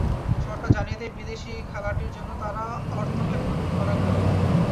সরকার জানিয়ে দেয়, বিদেশি খেলাটির জন্য তারা অর্থ ব্যয় করতে অনাগ্রহী।